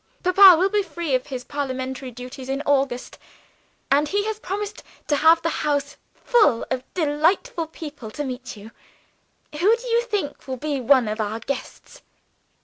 Papa will be free from his parliamentary duties in August and he has promised to have the house full of delightful people to meet you. Who do you think will be one of our guests?